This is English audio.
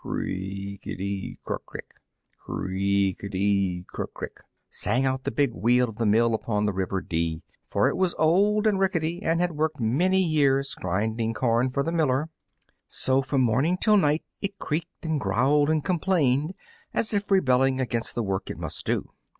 "CREE E EEKETY CRUCK CRICK! cree e eekety cruck crick!" sang out the big wheel of the mill upon the river Dee, for it was old and ricketty and had worked many years grinding corn for the miller; so from morning till night it creaked and growled and complained as if rebelling against the work it must do.